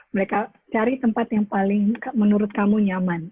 mereka cari tempat yang paling menurut kamu nyaman